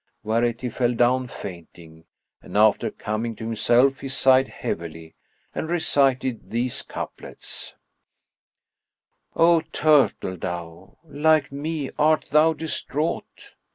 Whereat he fell down fainting and after coming to himself, he sighed heavily and recited these couplets, "O turtle dove, like me art thou distraught?